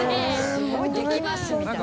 すごいできます！みたいな。